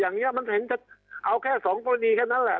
เนี่ยมันเอาแค่สองตรวจนียิแค่นั้นแหละ